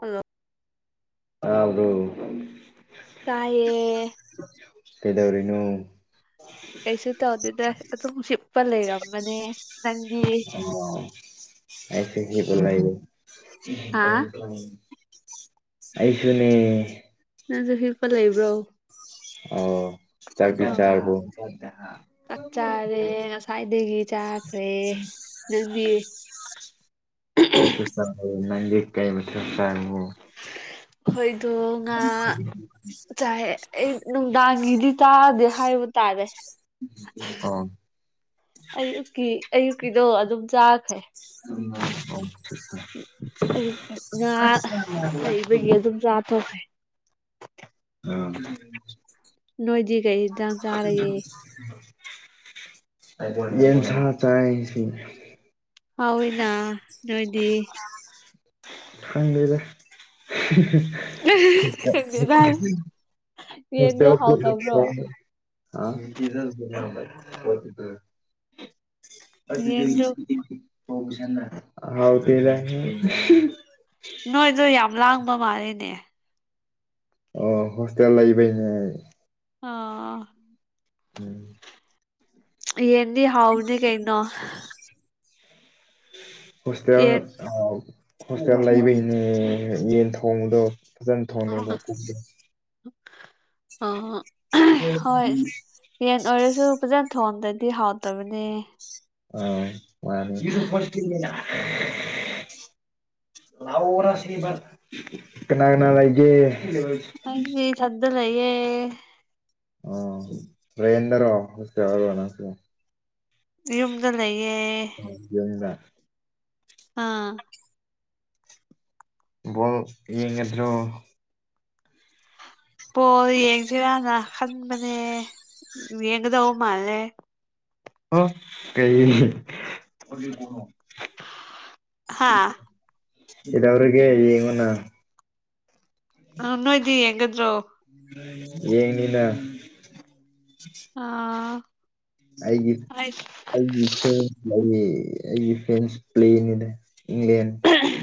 hello ꯑꯗ ꯇꯌꯦ ꯀꯩꯗꯧꯔꯤꯅꯣ ꯀꯩꯁꯨ ꯇꯧꯗꯦꯗ ꯑꯗꯨꯝ ꯁꯤꯤꯞꯄ ꯂꯩꯔꯝꯕꯅꯦ ꯅꯪꯗꯤ ꯑꯣ ꯍꯥ [unintelligible] ꯑꯩꯁꯨꯅꯦ ꯅꯪꯁꯨ ꯍꯤꯛꯄ ꯂꯩꯕ꯭ꯔꯣ ꯑꯣ ꯆꯥꯛꯇꯤ ꯑꯥ ꯆꯔꯕꯣ ꯆꯥꯛ ꯆꯥꯔꯦ ꯉꯁꯥꯏꯗꯒꯤ ꯆꯥꯈ꯭ꯔꯦ ꯅꯪꯗꯤ ꯑꯁꯦ ꯆ ꯃꯟꯗꯤ ꯀꯩ ꯃꯊꯦꯟ ꯆꯥꯅꯤꯉꯤ ꯍꯣꯏꯗꯣ ꯉꯥ ꯆꯥꯏ ꯅꯨꯡꯗꯥꯡꯒꯤꯗꯤ ꯇꯥꯗꯦ ꯍꯥꯏꯕ ꯇꯥꯔꯦ ꯑꯥ ꯑꯌꯨꯛꯀꯤ ꯑꯌꯨꯛꯀꯤꯗꯣ ꯑꯗꯨꯝ ꯆꯥꯈ꯭ꯔꯦ [unintelligible] ꯑꯌꯨꯛꯀꯤ ꯉꯥ ꯂꯩꯕꯒꯤ ꯑꯗꯨꯝ ꯆꯥꯊꯣꯛꯈ꯭ꯔꯦ ꯑ ꯅꯣꯏꯗꯤ ꯀꯩ ꯏꯟꯖꯥꯡ ꯆꯥꯔꯒꯦ ꯌꯦꯟ ꯁ ꯆꯥꯏ ꯍꯥꯎꯏꯅ ꯅꯣꯏꯗꯤ ꯍꯪꯗꯦꯗ ꯈꯪꯗꯦꯗ ꯌꯦꯟꯗꯣ ꯍꯥꯎꯇꯕ꯭ꯔꯣ [unintelligible] ꯑ [unintelligible] ꯌꯦꯟꯗꯣ ꯍꯥꯎꯇꯦꯗ ꯉꯥꯡꯕ ꯃꯥꯜꯂꯦꯅꯦ ꯑꯣ ꯍꯣꯁꯇꯦꯜ ꯂꯩꯥꯏꯕꯩꯅꯦ ꯑꯩ ꯑꯥ ꯎꯝ ꯌꯦꯟꯗꯤ ꯍꯥꯎꯅꯤ ꯀꯩꯅꯣ ꯍꯣꯁꯇꯦꯜ ꯌꯦꯟ ꯍꯣꯁꯇꯦꯜ ꯂꯩꯕꯩꯅꯦ ꯌꯦꯟ ꯊꯣꯡꯕꯗꯣ ꯐꯖꯟ ꯊꯣꯡꯉꯦ ꯃꯀꯨꯒꯤ ꯑ ꯍꯣꯏ ꯌꯦꯟ ꯑꯣꯏꯔꯁꯨ ꯐꯖꯟ ꯊꯣꯟꯗ ꯗꯤ ꯍꯥꯥꯎ ꯇꯕꯅꯦ ꯑ ꯋꯥꯁꯨ [inaudible] ꯂ ꯀꯅꯥ ꯀꯅꯥ ꯂꯩꯒꯦ ꯑꯩꯗꯤ ꯏꯊꯟꯗ ꯂꯩꯌꯦꯦ ꯑ ꯔꯦꯟꯗꯔꯣ ꯍꯣꯁꯇꯦꯜ ꯌꯨꯝꯗ ꯂꯩꯌꯦ ꯌꯨꯝꯗ ꯑꯥ ꯕꯣꯜ ꯌꯦꯡꯉꯗ꯭ꯔꯣ ꯄꯣꯜ ꯌꯦꯡꯁꯤꯔꯅ ꯈꯟꯕꯅꯦ ꯌꯦꯡꯒꯗꯧ ꯃꯥꯜꯂꯦ ꯍ ꯀꯩ ꯍꯥ ꯏꯗꯧꯔꯒ ꯌꯦꯉꯣꯅ ꯑꯅꯣꯏꯗꯤ ꯌꯦꯡꯒꯗꯔꯣ ꯌꯦꯡꯅꯤꯅ ꯑꯥ ꯑꯩꯒꯤ ꯑꯩ ꯑꯩꯒꯤ ꯐꯦꯟ ꯑꯩꯒꯤ ꯐꯦꯟꯁ ꯄ꯭ꯂꯦꯅꯤꯅ ꯏꯪꯂꯦꯟꯗ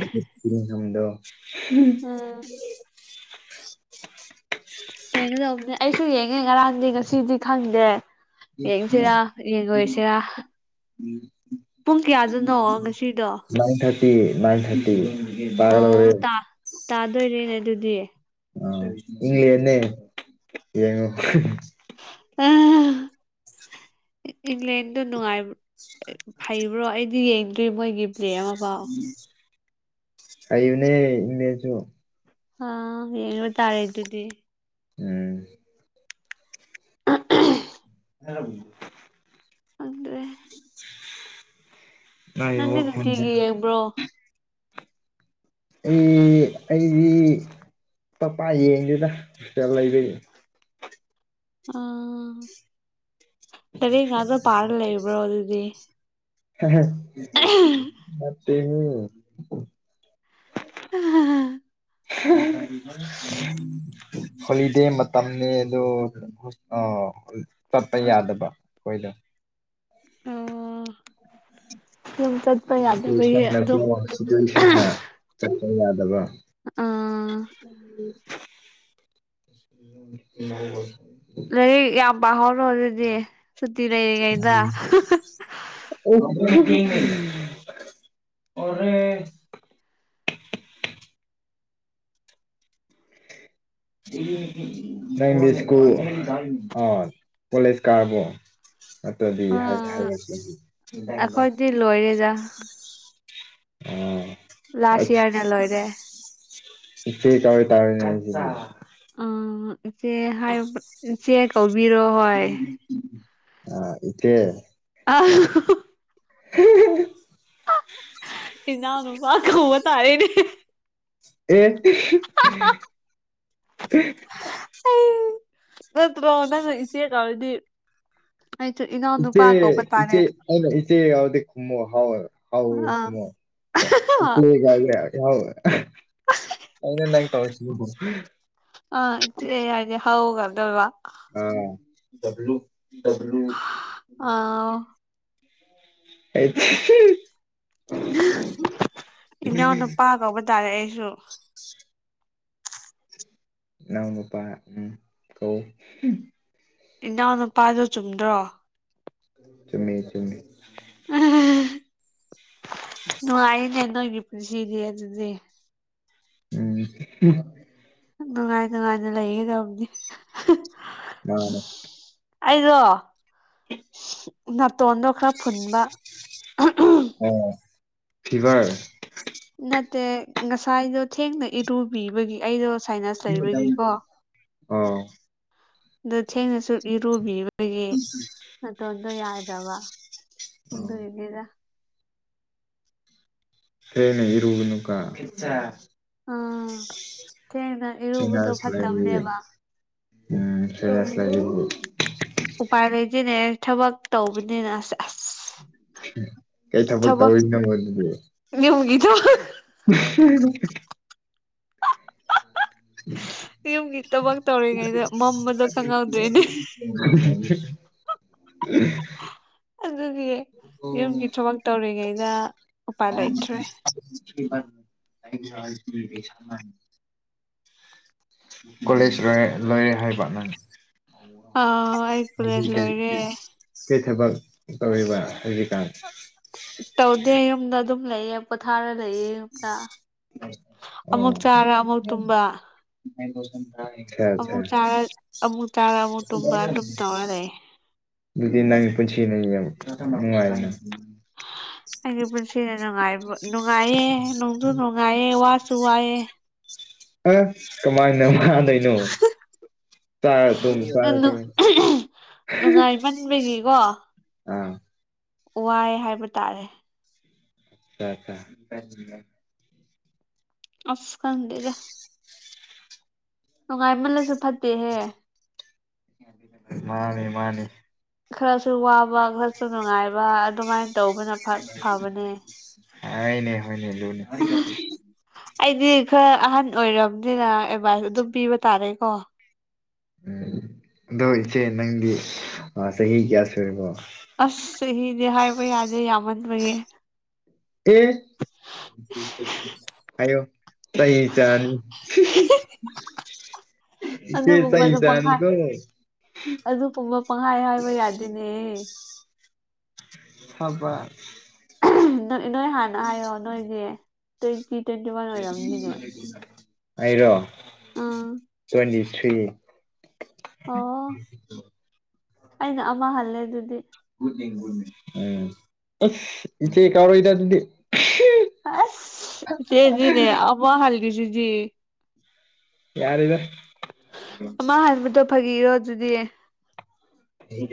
ꯏꯪꯂꯦꯟꯗꯣ ꯎꯝ ꯌꯦꯡꯒꯗꯧꯕꯅꯦ ꯑꯩꯁꯨ ꯌꯦꯡꯉꯦ ꯉꯔꯥꯡꯗꯤ ꯉꯁꯤꯗꯤ ꯈꯪꯗꯦ ꯌꯦꯡꯁꯤꯔꯥ ꯌꯦꯡꯉꯣꯏꯁꯤꯔꯥ ꯄꯨꯡ ꯀꯌꯥꯗꯅꯣ ꯉꯁꯤꯗꯣ ꯐꯤ ꯅꯥꯏꯟ ꯊꯥꯔꯇꯤ ꯑꯣ ꯇꯥꯒꯗꯧꯔꯦ ꯇꯥꯗꯣꯏꯔꯦꯅꯦ ꯑꯗꯨꯗꯤ ꯑ ꯏꯪꯂꯦꯟꯅ ꯌꯦꯉꯣ ꯑ ꯏꯪꯂꯪꯂꯦꯟꯗ ꯅꯨꯡꯉꯥꯏ ꯐꯩꯕ꯭ꯔꯣ ꯑꯩꯗꯤ ꯌꯦꯡꯗ꯭ꯔꯤ ꯃꯣꯏꯒꯤ ꯄ꯭ꯂꯦ ꯑꯃꯐꯥꯎ ꯑꯅꯦ ꯃꯁꯨ ꯑ ꯌꯦꯡꯕ ꯇꯥꯔꯦ ꯑꯗꯨꯗꯤ ꯎꯝ ꯑ ꯍꯂ ꯑꯗꯨꯗ꯭ꯔꯦ ꯅꯪꯒꯤ ꯅꯪꯦ ꯋꯥꯈꯜꯁꯦ ꯅꯤꯡꯇꯤꯒ ꯌꯦꯡꯕ꯭ꯔꯣ ꯑꯩ ꯑꯩꯗꯤ ꯄꯄꯥ ꯌꯦꯡꯗꯨꯗ ꯂꯩꯕꯤꯔꯤ ꯎ ꯇꯔꯉ ꯑꯣ ꯄꯥꯔꯂ ꯏꯕ꯭ꯔꯣꯗꯤ [unintelligible] [unintelligible] [unintelligible] ꯍꯣꯂꯤꯗꯦ ꯃꯇꯝꯅꯤꯅꯦ ꯑꯗꯣ ꯑꯣ ꯆꯠꯄ ꯌꯥꯗꯕ ꯑꯩꯈꯣꯏꯗꯣ ꯑꯣ ꯌꯨꯝ ꯆꯠꯄ ꯌꯥꯗꯕꯒꯤ ꯑꯗꯨꯝ ꯁꯁꯝ ꯀ ꯌꯥꯗꯕ ꯑꯥ ꯎꯣ ꯂꯩꯔꯤꯛ ꯌꯥꯝ ꯄꯥꯍꯧ ꯔꯣꯗꯨꯗꯤ ꯁꯨꯇꯤ ꯂꯩꯔꯤꯉꯩꯗ ꯑꯣꯔꯦꯁ ꯅꯪꯗꯤ ꯁ꯭ꯀꯨꯜ ꯑꯥ ꯀꯣꯂꯦꯖ ꯀꯥꯔꯕꫭ ꯑꯇꯩꯗꯒꯤ ꯍꯥꯏ ꯑꯥ ꯍꯥꯏꯔꯛꯄꯒꯤ ꯑꯩꯈꯣꯏꯗꯤ ꯂꯣꯏꯔꯦꯗ ꯑ ꯂꯥꯁ ꯏꯌꯥꯔꯅ ꯂꯣꯏꯔꯦ ꯁꯤꯀ ꯇꯥꯔ ꯁꯤꯗ ꯎꯝ ꯏꯆꯦ ꯍꯥꯏꯕ ꯏꯆꯦ ꯀꯧꯕꯤꯔꯣ ꯍꯣꯏ ꯑ ꯏꯆꯦ ꯑ [inaudible] ꯏꯅꯥꯎ ꯅꯨꯄꯥ ꯀꯧꯕ ꯇꯥꯔꯦꯅꯦ ꯑꯦ [inaudible] [inaudible] ꯅꯠꯇ꯭ꯔꯣ ꯅꯪ ꯏꯆꯦ ꯀꯧꯔꯗꯤ ꯑꯩꯁꯨ ꯏꯅꯥꯎ ꯏꯆꯦ ꯅꯨꯄꯥ ꯀꯧꯕ ꯇꯥꯔꯦ ꯏꯆꯦ ꯏꯆꯦ ꯑꯧꯗꯤ ꯈꯨꯝꯃꫭ ꯍꯥꯎ ꯍꯥꯎ ꯑꯥ ꯈꯨꯝꯃꫭ ꯏꯆꯦ ꯒꯥꯏꯌꯦ ꯍꯥꯎ ꯑꯥ ꯀꯩꯅꫭ ꯇꯧꯏꯁꯤꯕꯨ ꯑꯥ ꯏꯆꯦ ꯍꯥꯎꯒꯗꫭꯏꯕ ꯑ ꯗꯕꯂꯨ ꯗꯕꯂꯨ ꯑꯥ ꯑꯩ ꯏꯅꯥꯎ ꯅꯨꯄꯥ ꯀꯧꯕ ꯇꯥꯔꯦ ꯑꯩꯁꯨ ꯏꯅꯥꯎ ꯅꯨꯄꯥ ꯎꯝ ꯀꯧ ꯏꯅꯥꯎꯅꯨꯄꯥꯗꯨ ꯆꯨꯝꯗ꯭ꯔꯣ ꯆꯨꯝꯃꯤ ꯆꯨꯝꯃꯤ ꯅꯨꯡꯉꯥꯏꯅꯦ ꯪꯅꫭꯏꯒꯤ ꯄꯨꯟꯁꯤꯗꯤ ꯑꯗꯨꯗꯤ ꯎꯝ ꯅꯨꯡꯉꯥꯏ ꯅꯨꯡꯉꯥꯏꯅ ꯂꯩꯒꯦ ꯇꯧꯕꯅꯤ ꯃꯥꯅꯦ ꯑꯩꯗꯣ ꯅꯥꯇꯣꯟꯗꯣ ꯈꯔ ꯐꯨꯟꯕ ꯑꯣ ꯐꯤꯚꯔ ꯇꯦ ꯉꯁꯥꯏꯗꯣ ꯊꯦꯡꯅ ꯏꯔꯨꯕꯤꯕꯒꯤ ꯑꯩꯗꯣ ꯁꯥꯏꯅꯁ ꯂꯩꯕꯒꯤꯀꯣ ꯑꯣ ꯗꯨ ꯊꯦꯡꯅꯁꯨ ꯏꯔꯨꯕꯤꯕꯒꯤ ꯅꯥꯇꫭꯟꯗꫭ ꯌꯥꯗ꯭ꯔꯕ ꯑꯣ ꯑꯗꯨꯏꯅꯤꯗ ꯐꯩꯌꯦꯅꯦ ꯏꯔꯨꯕꯅꯨ ꯀ ꯑꯥ ꯊꯦꯡꯅ ꯏꯔꯨꯕꯗꯣ ꯆꯤꯅꯁ ꯂꯩꯕꯒꯤ ꯐꯠꯇꯕꯅꯦꯕ ꯎꯝ ꯁꯥꯏꯅꯁ ꯂꯩꯕꯒꯤ ꯁꯤꯅꯦ ꯊꯕꯛ ꯇꯧꯕꯅꯤꯅ ꯑꯁ ꯑꯁ ꯀꯩ ꯊꯕꯛ ꯇꯧꯔꯤꯅꫭꯕ ꯑꯗꯨꯗꯤ [inaudible] [inaudible] ꯌꯨꯝꯒꯤ ꯊꯕꯛ ꯇꯧꯔꯤꯉꯩꯗ ꯃꯝꯕꯗꯣ [inaudible] ꯈꯪꯍꯧꯗ꯭ꯔꯦꯅꯦ [inaudible] ꯑꯗꯨꯒꯤ ꯌꯨꯝꯒꯤ ꯊꯕꯛ ꯇꯧꯔꯤꯉꯩꯗ ꯎꯄꯥꯏ ꯂꯩꯇ꯭ꯔꯦ [unintelligible] ꯀꯣꯂꯦꯖ ꯂꯣꯏꯔꯦ ꯂꯣꯏꯔꯦ ꯍꯥꯏꯕ ꯅꯪ ꯑꯥ ꯑꯩ ꯀꯣꯂꯦꯖ ꯂꯣꯏꯔꯦ [inaudible] ꯊꯕꯛ ꯇꯧꯔꯤꯕꯥ ꯍꯧꯖꯤꯛꯀꯥꯟ ꯇꯧꯗꯦ ꯌꯨꯝꯗ ꯑꯗꯨꯝ ꯂꯩꯌꯦ ꯄꯣꯊꯥꯔ ꯑꯃꯨꯛ ꯑꯣ ꯆꯥꯔ ꯑꯃꯨꯛ ꯇꯨꯝꯕ [unintelligible] ꯑꯃꯨꯛ ꯆꯥꯔ ꯑꯃꯨꯛ ꯆꯥꯔ ꯑꯃꯨꯛ ꯇꯨꯝꯕ ꯑꯗꯨꯝ ꯇꯧꯔ ꯂꯩ ꯑꯗꯨꯗꯤ ꯅꯪꯃꯤ ꯄꯨꯟꯁꯤ ꯌꯥꯝ ꯅꯨꯡꯉꯥꯏꯅ ꯅꯨꯡꯉꯥꯏꯌꯦꯦ ꯅꯣꯡꯁꯨ ꯅꯨꯡꯉꯥꯏꯌꯦ ꯋꯥꯁꯨ ꯋꯥꯏꯑꯦ ꯑ ꯀꯃꯥꯏꯅ ꯃꯥꯗꯣꯏꯩꯅꯣ ꯗꯣꯝꯁꯨꯔꯦ ꯇ ꯅꯨꯡꯉꯥꯏꯃꯟꯕꯒꯤꯀꯣ ꯑꯥ ꯋꯥꯏ ꯍꯥꯏꯕ ꯇꯥꯔꯦ ꯑ ꯑꯆꯥ ꯑꯁꯀ ꯂꯩꯒ ꯅꯨꯡꯉꯥꯏꯃꯜꯂꯁꯨ ꯐꯠꯇꯦꯍꯦ ꯃꯥꯅꯤ ꯃꯥꯅꯤ ꯈꯔꯁꯨ ꯋꯥꯕ ꯈꯔꯁꯨ ꯅꯨꯡꯉꯥꯏꯕ ꯑꯗꯨꯃꯥꯏꯅ ꯇꯧꯕꯅ ꯐꯕꯅꯦ ꯑꯅꯦ ꯍꯣꯏꯅꯦ ꯂ ꯑꯩꯗꯤ ꯈꯔ ꯑꯍꯟ ꯑꯣꯏꯔꯕꯅꯤꯅ ꯑꯦꯗꯚꯥꯏꯁ ꯑꯗꯨꯝ ꯄꯤꯕ ꯇꯥꯔꯦꯀꯣ ꯎꯝ ꯑꯗꯣ ꯏꯆꯦ ꯅꯪꯗꯤ ꯆꯍꯤ ꯀꯌꯥ ꯁꯨꯔꯤꯕꯣ ꯑꯁ ꯆꯍꯤꯗꯤ ꯍꯥꯏꯕ ꯌꯥꯗꯦ ꯌꯥꯝꯃꯟꯕꯌꯦ ꯍꯦ ꯍꯥꯏꯌꯣ ꯇꯩ ꯆꯥꯅꯤ ꯁꯤ ꯇ ꯑꯗꯨꯒꯨꯝꯕꯗꯣ ꯏꯁꯅꯤ ꯀꯔ ꯄꯉꯥꯏ ꯍ ꯍꯥꯏꯕꯩ ꯌꯥꯗꯅꯦ ꯍꯥꯕ ꯅꯣꯏ ꯍꯥꯟꯅ ꯍꯥꯏꯌꯣ ꯅꯣꯏꯅꯦ ꯇ꯭ꯋꯦꯟꯇꯤ ꯇ꯭ꯋꯦꯟꯇꯤ ꯋꯥꯟ ꯑꯣꯏꯔꯝꯃꯤꯅꯦ ꯍꯥꯏꯔꯣ ꯇ꯭ꯋꯦꯟꯇꯤ ꯊ꯭ꯔꯤ ꯑꯣ ꯑꯩꯅ ꯑꯃ ꯍꯜꯂꯦ ꯑꯗꯨꯗꯤ ꯏ ꯀꯣ ꯏꯗ ꯑꯗꯨꯗꯤ ꯑꯁ ꯆꯦꯖꯤꯅꯦ ꯑꯃ ꯍꯜꯗꯁꯤꯖꯤ ꯌꯥꯔꯗ ꯑꯃ ꯍꯥꯟꯕꯗꯣ ꯐꯥꯒꯤꯔꯣ ꯑꯗꯨꯗꯤ ꯍꯦ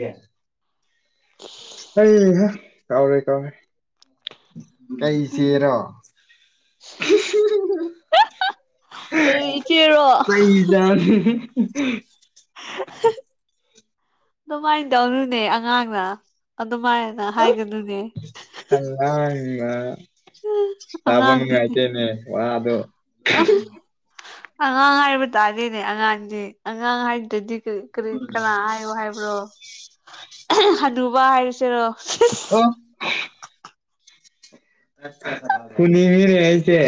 ꯑꯩ ꯀꯥꯎꯔꯦ ꯀꯥꯎꯔꯦ ꯀꯩ ꯆꯦꯔꯣ ꯀꯔꯤ ꯏꯆꯦꯔꯣ ꯀꯩꯖꯅꯤ ꯑꯗꯨꯃꯥꯏꯅ ꯇꯧꯅꯨꯅꯦ ꯑꯉꯥꯡꯅ ꯑꯗꯨꯃꯥꯏꯅ ꯍꯥꯏꯒꯗꯨꯅꯦ ꯇꯥꯐꯝ ꯑꯉꯥꯡꯅꯤꯅꯦ ꯅꯨꯡꯉꯥꯏꯇꯦꯅꯦ ꯋꯥꯗꯣ ꯑꯍ ꯑꯉꯥꯡ ꯍꯥꯏꯕ ꯇꯥꯔꯦꯅꯦ ꯑꯉꯥꯡꯁꯦ ꯑꯉꯥꯡ ꯍꯥꯏꯗꯗꯤ ꯀꯔꯤ ꯀꯅꯥ ꯍꯥꯏꯌꯣ ꯍꯥꯏꯕ꯭ꯔꯣ ꯑꯗꯨꯕ ꯍꯥꯏꯔꯨꯁꯤꯔꯣ ꯑ ꯀꯨꯅꯤ ꯃꯤꯅꯤ ꯌꯥꯁꯦ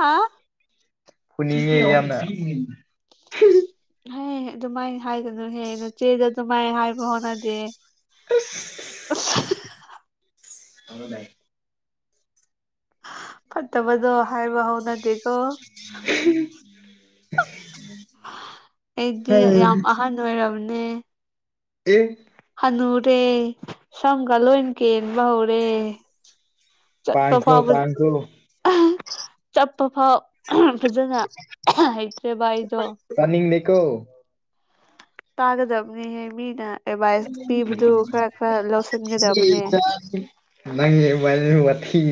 ꯍꯥ ꯍꯨꯅꯤꯡꯉꯦ ꯌꯥꯝꯅ ꯍꯌꯦ ꯑꯗꯨꯃꯥꯏꯅ ꯍꯥꯏꯒꯅꯨ ꯍꯦ ꯅꯆꯦꯗ ꯑꯗꯨꯃꯥꯏꯅ ꯍꯥꯏꯕ ꯍꯣꯠꯅꯗꯦ ꯑꯁ ꯍꯚꯏ ꯐꯠꯇꯕꯗꯣ ꯍꯥꯏꯕ ꯍꯧꯅꯗꯦꯀꯣ [unintelligible] ꯑꯩꯗꯤ ꯌꯥꯝ ꯑꯍꯟ ꯑꯣꯏꯔꯕꯅꯦ ꯎ ꯍꯅꯨꯔꯦ ꯁꯪꯒ ꯂꯣꯏ ꯀꯦꯟꯕ ꯍꯧꯔꯦ ꯆꯠꯄ ꯄꯥꯡꯈ꯭ꯔꯣ ꯐꯥꯎ ꯄꯥꯡꯈ꯭ꯔꯣ ꯆꯠꯄ ꯐꯥꯎ ꯐꯖꯅ ꯍꯩꯇ꯭ꯔꯦꯕ ꯑꯩꯗꯣ ꯀꯣ ꯇꯥꯒꯗꯕꯅꯤꯍ ꯃꯤꯅ ꯑꯦꯗꯚꯥꯏꯁ ꯄꯤꯕꯗꯨ ꯈꯔ ꯈꯔ ꯂꯧꯁꯟ ꯅꯪ ꯋꯥꯥꯏ ꯋꯥꯇꯤ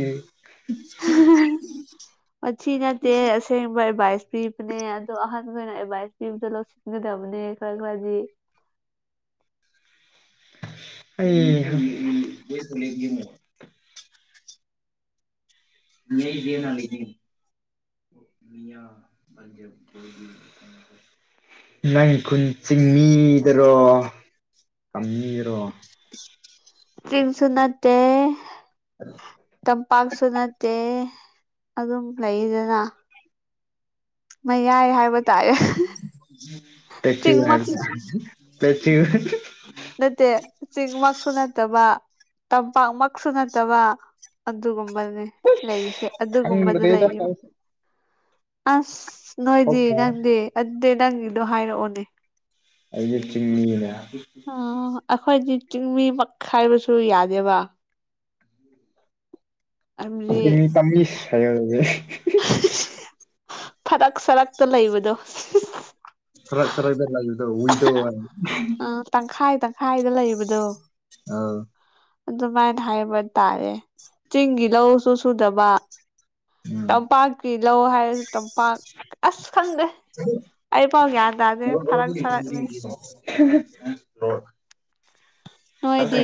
ꯄ ꯅꯁꯏꯁ ꯄꯤ ꯄꯅꯦ ꯑꯗꯨ ꯑꯍꯅ ꯑꯦꯏ ꯄꯤ ꯁꯤꯗꯅꯦ ꯈ ꯈꯗꯤ [inaudible] ꯑꯩ ꯅ ꯗꯅ ꯂꯤ ꯃꯤꯌꯥ ꯄꯥꯖ ꯅꯪ ꯈꯨꯟ ꯆꯤꯡꯃꯤꯗꯔꯣ ꯀꯃꯤꯔꯣ ꯆꯝꯁꯨ ꯅꯠꯇꯦ ꯇꯝꯄꯥꯛꯁꯨ ꯅꯠꯇꯦ ꯑꯗꯨꯝ ꯂꯩꯗꯅ ꯃꯌꯥꯏ ꯍꯥꯏꯕ ꯇꯥꯔꯦ ꯇ ꯋꯥ ꯆꯤꯡꯃꯛꯁꯨ ꯇ ꯅꯠꯇꯦ ꯆꯤꯡꯃꯛꯁꯨ ꯅꯠꯇꯕ ꯇꯝꯄꯥꯛꯃꯛꯁꯨ ꯅꯠꯇꯕ ꯑꯗꯨꯒ ꯂꯩꯔꯤꯁꯦ ꯑꯗꯨꯒꯨꯝꯕꯗꯨ ꯈꯪꯗ꯭ꯔꯦꯗ ꯂꯩꯕ ꯑꯩꯁꯨ ꯑꯁ ꯅꯣꯏꯗꯤ ꯅꯪꯗꯤ ꯑꯗꯨꯗꯤ ꯅꯪꯒꯤꯗꯣ ꯍꯥꯏꯔꯛꯑꯣꯅꯦ ꯑꯩꯅ ꯆꯤꯡꯃꯤꯅ ꯑ ꯑꯩꯈꯣꯏꯗꯤ ꯆꯤꯡꯃꯤ ꯄꯛ ꯈꯥꯏꯕꯁꯨ ꯌꯥꯗꯦꯕ ꯍꯥꯏꯕꯗꯤ ꯇꯝꯁ ꯍꯥꯏꯦ ꯐꯔꯛ ꯁꯔꯛꯇ ꯂꯩꯕꯗꯣ ꯐꯔ ꯐꯔꯥꯏꯕꯔ ꯂꯗ ꯍꯏꯗ ꯑ ꯇꯪꯈꯥꯏ ꯇꯪꯈꯥꯏꯗ ꯂꯩꯕꯗꯣ ꯑꯥ ꯑꯗꯨꯃꯥꯏꯅ ꯍꯥꯏꯕ ꯇꯥꯔꯦ ꯆꯤꯡꯒꯤ ꯂꯧꯁꯨ ꯁꯨꯗꯕ ꯎꯝ ꯇꯝꯄꯥꯛꯀꯤ ꯂꯧ ꯍꯥꯏꯔꯁꯨ ꯇꯝꯄꯥꯛ ꯑꯁ ꯈꯪꯗꯦ ꯑꯩ ꯄꯥꯎ ꯒ꯭ꯌꯥꯟ ꯇꯥꯗꯦ ꯐꯔꯛ ꯁꯥꯔꯛꯅꯤ ꯑꯣ ꯅꯣꯏꯗꯤ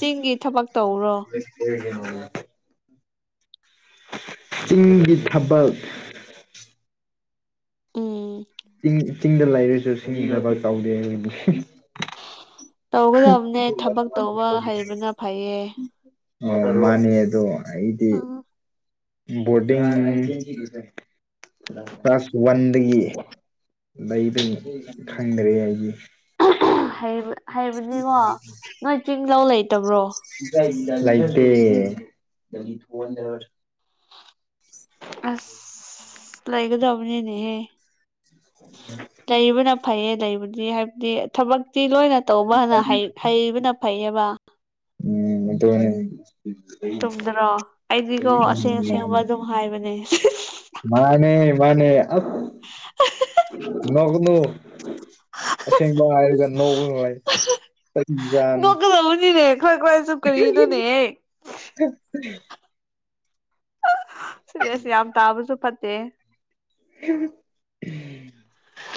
ꯆꯤꯡꯒꯤ ꯊꯕꯛ ꯇꯧꯕ꯭ꯔꯣ ꯆꯤꯡꯒꯤ ꯊꯕꯜ ꯎꯝ ꯆꯤꯡ ꯆꯤꯡꯗ ꯂꯩꯔꯁꯨ ꯆꯤꯡ ꯊꯕꯛ ꯇꯧꯗꯦ ꯑꯩꯈꯣꯏꯗꯤ ꯇꯧꯒꯗꯕꯅꯦ ꯊꯕꯛ ꯇꯧꯕ ꯍꯩꯕꯅ ꯐꯩꯌꯦ ꯑꯣ ꯃꯥꯅꯤ ꯑꯗꯣ ꯑꯩꯗꯤ ꯎꯝ ꯕꯣꯔꯗꯤꯡ ꯀ꯭ꯂꯥꯁ ꯋꯥꯟꯗꯒꯤ ꯂꯩꯕꯅꯤ ꯈꯪꯗ꯭ꯔꯦ ꯑꯩꯗꯤ ꯍꯩꯕꯅꯤꯀꯣ ꯅꯣꯏ ꯆꯤꯡ ꯂꯧꯧ ꯂꯩꯇꯕ꯭ꯔꯣ ꯂꯦ ꯑꯁ ꯂꯩꯥꯏꯒꯗꯕꯅꯦꯅꯦꯍ ꯂꯩꯕꯅ ꯐꯩꯌꯦ ꯂꯩꯕꯗꯤ ꯍꯥꯏꯕꯗꯤ ꯊꯕꯛ ꯛꯇꯤ ꯂꯣꯏꯅ ꯇꯧꯕꯅ ꯍꯩꯕꯅ ꯐꯩꯌꯦꯕ ꯍ ꯇꯨꯝꯗ꯭ꯔꯣ ꯑꯩꯗꯤꯀꯣ ꯑꯁꯦꯡ ꯎꯝ ꯑꯁꯦꯡꯕ ꯑꯗꯨꯝ ꯍꯥꯏꯕꯅꯦ ꯃꯥꯅꯦ ꯃꯥꯅꯦ ꯑ ꯅꯅꯨ ꯑꯁꯦꯡꯕ ꯍꯥꯏꯒ ꯅꯧ ꯀꯖꯅꯤ [inaudible] ꯅꯣꯛꯀꯗꯕꯅꯤꯅꯦ ꯑꯩꯈꯣꯏ ꯈꯣꯏꯁꯨ ꯀꯔꯤꯅꯣꯅꯦ ꯁꯤꯗꯦꯁ ꯌꯥꯝ ꯇꯥꯕꯁꯨ ꯐꯠꯇꯦ [inaudible]